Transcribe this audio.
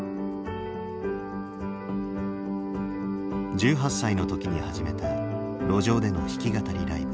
１８歳の時に始めた路上での弾き語りライブ。